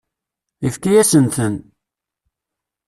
Yefka-asen-ten.